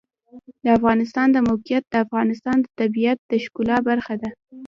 د افغانستان د موقعیت د افغانستان د طبیعت د ښکلا برخه ده.